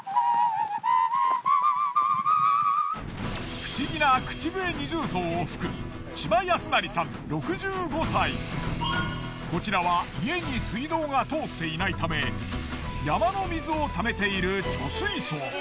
不思議な口笛二重奏を吹くこちらは家に水道が通っていないため山の水をためている貯水槽。